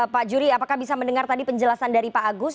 pak juri apakah bisa mendengar tadi penjelasan dari pak agus